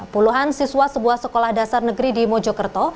puluhan siswa sebuah sekolah dasar negeri di mojokerto